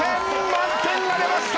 満点が出ました！